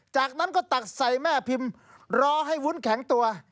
จากนั้นก็ตักใส่แม่พิมพ์รอให้วุ้นแข็งตัว